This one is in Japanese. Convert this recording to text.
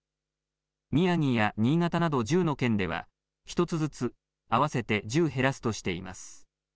宮城や新潟など１０の県では１つずつ合わせて１０減らすとしています。